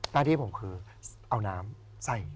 หน้าที่ผมคือเอาน้ำใส่